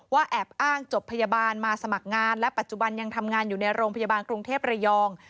แอบอ้างจบพยาบาลมาสมัครงานและปัจจุบันยังทำงานอยู่ในโรงพยาบาลกรุงเทพระยอง